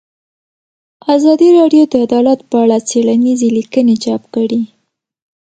ازادي راډیو د عدالت په اړه څېړنیزې لیکنې چاپ کړي.